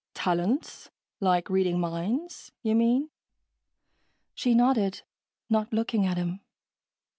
"Talents? Like reading minds, you mean?" She nodded, not looking at him.